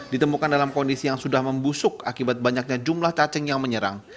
ditemukan dalam kondisi yang sudah membusuk akibat banyaknya jumlah cacing yang menyerang